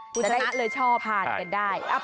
ผู้ชนะเลยชอบ